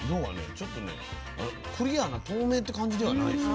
ちょっとねクリアな透明って感じではないですよ。